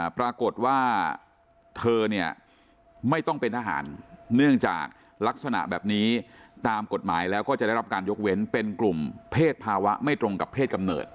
ปรากฏว่าเธอเนี่ยไม่ต้องเป็นทหารเนื่องจากลักษณะแบบนี้ตามกฎหมายแล้วก็จะได้รับการยกเว้นเป็นกลุ่มเพศภาวะไม่ตรงกับเพศกำเนิด